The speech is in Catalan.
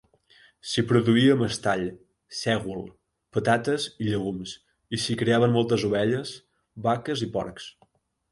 S'hi produïa mestall, sègol, patates i llegums, i s'hi criaven moltes ovelles, vaques i porcs.